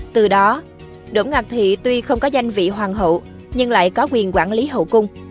từ đó đỗ ngọc thị tuy không có danh vị hoàng hậu nhưng lại có quyền quản lý hậu cung